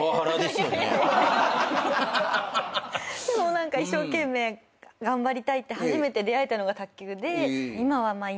でも一生懸命頑張りたいって初めて出合えたのが卓球で。